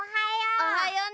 おはよう。